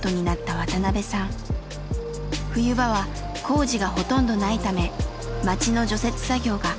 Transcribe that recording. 冬場は工事がほとんどないため町の除雪作業が主な仕事です。